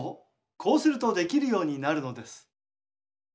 こうするとできるようになるのです。